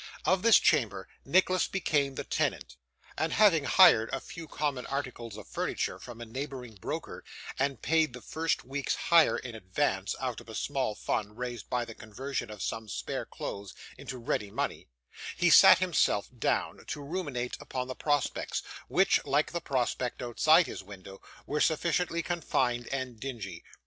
Of this chamber, Nicholas became the tenant; and having hired a few common articles of furniture from a neighbouring broker, and paid the first week's hire in advance, out of a small fund raised by the conversion of some spare clothes into ready money, he sat himself down to ruminate upon his prospects, which, like the prospect outside his window, were sufficiently confined and dingy.